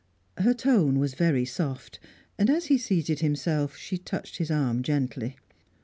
Her tone was very soft, and, as he seated himself, she touched his arm gently.